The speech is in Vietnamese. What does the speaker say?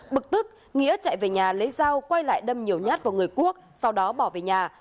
bực tức nghĩa chạy về nhà lấy dao quay lại đâm nhiều nhát vào người quốc sau đó bỏ về nhà